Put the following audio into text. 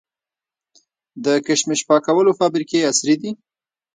د کشمش پاکولو فابریکې عصري دي؟